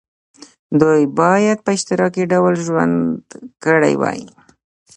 دوی باید په اشتراکي ډول ژوند کړی وای.